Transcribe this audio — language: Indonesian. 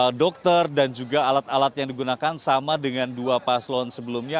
ada dokter dan juga alat alat yang digunakan sama dengan dua paslon sebelumnya